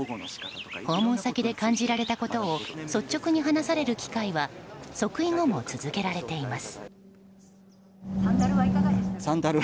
訪問先で感じられたことを率直に話される機会は即位後も続けられています。